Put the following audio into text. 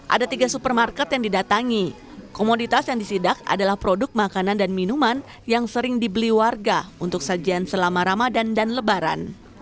ada tiga supermarket yang didatangi komoditas yang disidak adalah produk makanan dan minuman yang sering dibeli warga untuk sajian selama ramadan dan lebaran